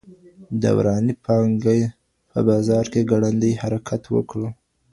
دوراني پانګي په بازار کي ګړندی حرکت وکړ.